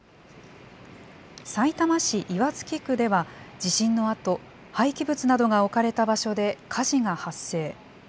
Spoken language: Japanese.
さいたま市岩槻区では地震のあと、廃棄物などが置かれた場所で火事が発生。